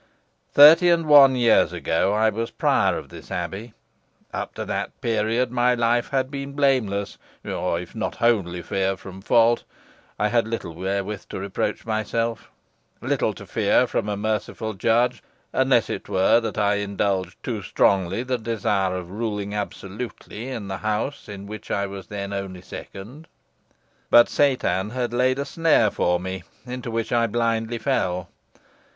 Thirty and one years ago I was prior of this abbey. Up to that period my life had been blameless, or, if not wholly free from fault, I had little wherewith to reproach myself little to fear from a merciful judge unless it were that I indulged too strongly the desire of ruling absolutely in the house in which I was then only second. But Satan had laid a snare for me, into which I blindly fell.